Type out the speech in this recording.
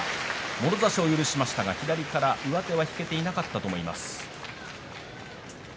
もろ差しを許しましたが上手が引けていなかったと思います。